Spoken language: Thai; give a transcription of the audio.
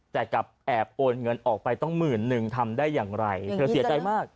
แต่กลับแอบโอนเงินออกไปต้องหมื่นหนึ่งทำได้อย่างไรเธอเสียใจมาก